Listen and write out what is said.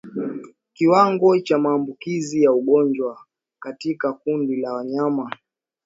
Kiwango cha maambukizi ya ugonjwa katika kundi la wanyama